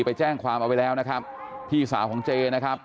ไปแจ้งความเอาไว้แล้วนะครับพี่สาวของเจนะครับ